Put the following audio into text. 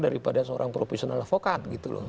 daripada seorang profesional avokat gitu loh